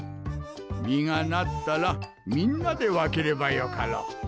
実がなったらみんなで分ければよかろう。